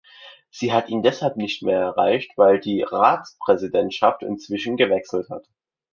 Sie hat ihn deshalb nicht mehr erreicht, weil die Ratspräsidentschaft inzwischen gewechselt hat.